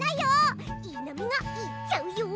いいなみがいっちゃうよ。